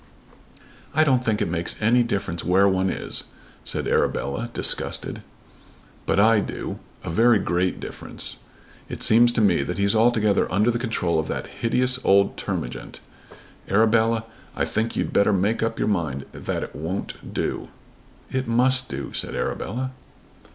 "I don't think it makes any difference where one is," said Arabella disgusted. "But I do, a very great difference. It seems to me that he's altogether under the control of that hideous old termagant. Arabella, I think you'd better make up your mind that it won't do." "It must do," said Arabella.